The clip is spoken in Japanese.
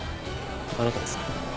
あなたですね？